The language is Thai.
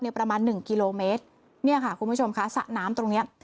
ประมาณหนึ่งกิโลเมตรเนี่ยค่ะคุณผู้ชมค่ะสระน้ำตรงเนี้ย